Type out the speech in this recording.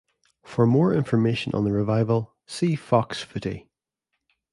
For more information on the revival see Fox Footy.